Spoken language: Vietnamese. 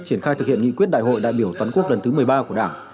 triển khai thực hiện nghị quyết đại hội đại biểu toàn quốc lần thứ một mươi ba của đảng